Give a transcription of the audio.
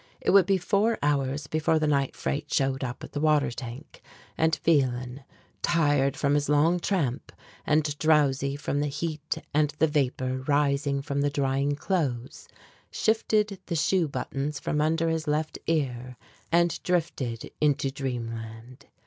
It would be four hours before the night freight slowed up at the water tank, and Phelan, tired from his long tramp, and drowsy from the heat and the vapor rising from the drying clothes, shifted the shoe buttons from under his left ear, and drifted into dreamland.